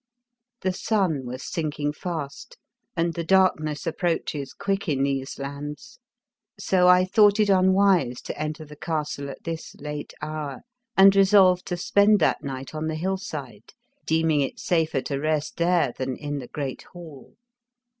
The sun was sinking fast — and the darkness ap proaches quick in these lands, — so I thought it unwise to enter the castle at this late hour and resolved to spend that night on the hillside, deeming it safer to rest there than in the great hall.